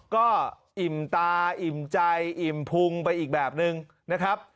ก็อิ่มตาอิ่มใจอิ่มพุงไปอีกแบบนึงนะครับ